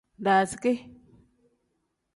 Daaziki.